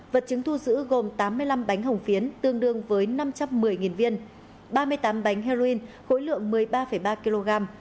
vật chứng thu giữ gồm tám mươi năm bánh hồng phiến tương đương với năm trăm một mươi viên ba mươi tám bánh heroin khối lượng một mươi ba ba kg